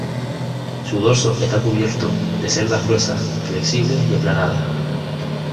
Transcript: Su dorso está cubierto de cerdas gruesas, flexibles y aplanadas.